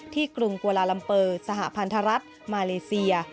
กรุงกวาลาลัมเปอร์สหพันธรัฐมาเลเซีย